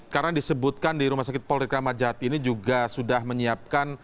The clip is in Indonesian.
karena disebutkan di rumah sakit polri kramajati ini juga sudah menyiapkan